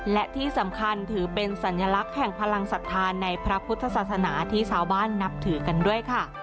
และที่สำคัญถือเป็นสัญลักษณ์แห่งพลังศรัทธาในพระพุทธศาสนาที่ชาวบ้านนับถือกันด้วยค่ะ